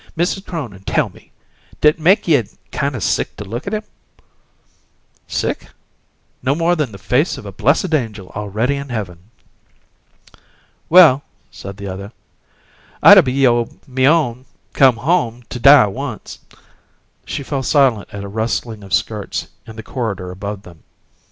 Mrs. Cronin, tell me: d'it make ye kind o' sick to look at um?" "Sick? No more than the face of a blessed angel already in heaven!" "Well," said the other, "I'd a b'y o' me own come home t' die once " She fell silent at a rustling of skirts in the corridor above them.